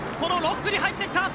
６区に入ってきた。